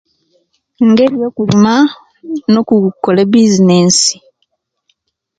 Ngeri yo kulima no okukola business